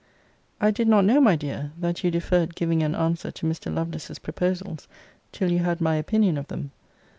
I did not know, my dear, that you deferred giving an answer to Mr. Lovelace's proposals till you had my opinion of them.